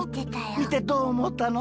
みてどうおもったの？